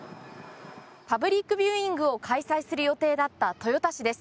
パブリックビューイングを開催する予定だった豊田市です。